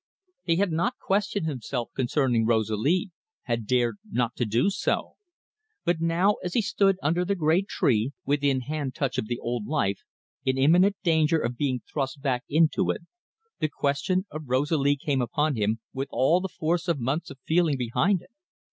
He had not questioned himself concerning Rosalie had dared not to do so. But now, as he stood under the great tree, within hand touch of the old life, in imminent danger of being thrust back into it, the question of Rosalie came upon him with all the force of months of feeling behind it.